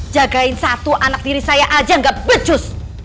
jagain satu anak diri saya aja gak becus